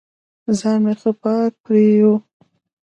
ځان مې ښه پاک پرېوه.